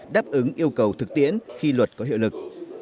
đáp ứng yêu cầu thực tiễn khi luật có hiệu lực